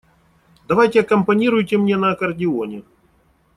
Давайте аккомпанируйте мне на аккордеоне.